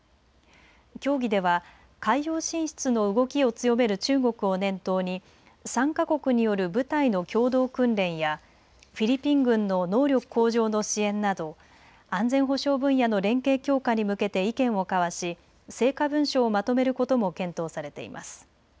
協議では海洋進出の動きを強める中国を念頭に３か国による部隊の共同訓練やフィリピン軍の能力向上の支援など安全保障分野の連携強化に向けて意見を交わし成果文書をまとめることも検討されています。